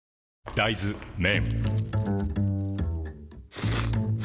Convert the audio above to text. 大豆麺